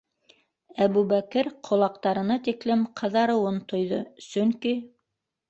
- Әбүбәкер ҡолаҡтарына тиклем ҡыҙарыуын тойҙо, - сөнки...